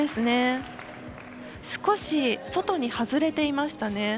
少し外に外れていましたね。